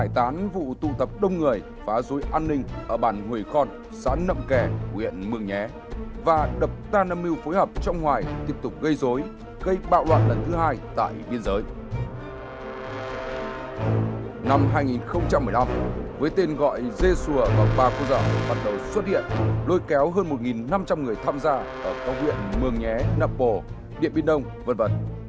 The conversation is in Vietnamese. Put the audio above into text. tà đạo dê sùa và bà cô dợ bắt đầu xuất hiện lôi kéo hơn một năm trăm linh người tham gia ở các huyện mường nhé nắp bồ điện biên đông v v